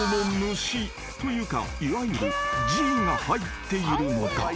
というかいわゆるＧが入っているのだ］